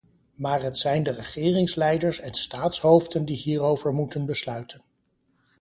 Maar het zijn de regeringsleiders en staatshoofden die hierover moeten besluiten.